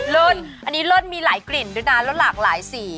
เบอร์นอันนี้เลิศมีหลายกรินแล้วนานแล้วหลากหลายสี